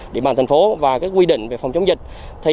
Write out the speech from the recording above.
địa bàn thành phố và các quy định về phòng chống dịch